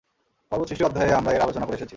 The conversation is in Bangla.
পর্বত সৃষ্টির অধ্যায়ে আমরা এর আলোচনা করে এসেছি।